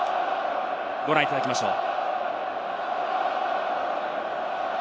ご覧いただきましょう。